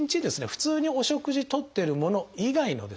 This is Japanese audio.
普通にお食事とってるもの以外のですね